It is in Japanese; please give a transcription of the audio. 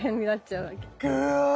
うわ！